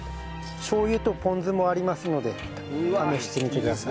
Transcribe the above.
しょう油とポン酢もありますので試してみてください。